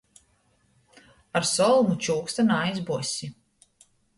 Ar solmu čūksta naaizbuozsi.